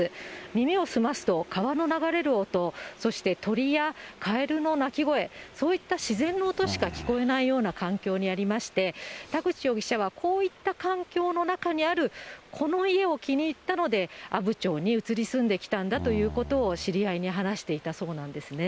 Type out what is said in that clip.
耳を澄ますと川の流れる音、そして鳥やカエルの鳴き声、そういった自然の音しか聞こえないような環境にありまして、田口容疑者は、こういった環境の中にある、この家を気に入ったので、阿武町に移り住んできたんだということを、知り合いに話していたそうなんですね。